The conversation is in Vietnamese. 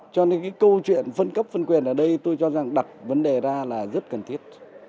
cho nên cái câu chuyện phân cấp phân quyền ở đây tôi cho rằng đặt vấn đề ra là rất cần thiết